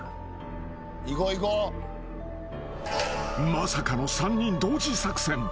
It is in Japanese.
［まさかの３人同時作戦］